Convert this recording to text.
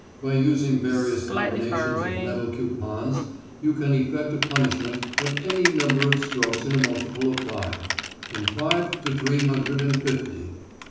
By using various combinations of metal coupons you can effect a punishment of any number of strokes in a multiple of five, from five to three hundred and fifty.